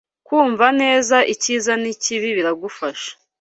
kumva neza icyiza nikibi biragufasha